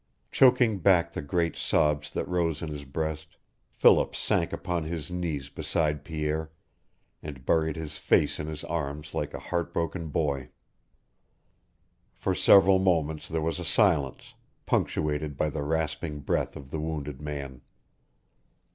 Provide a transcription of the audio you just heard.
Choking back the great sobs that rose in his breast, Philip sank upon his knees beside Pierre, and buried his face in his arms like a heartbroken boy. For several moments there was a silence, punctuated by the rasping breath of the wounded man.